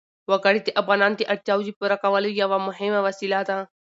وګړي د افغانانو د اړتیاوو د پوره کولو یوه مهمه وسیله ده.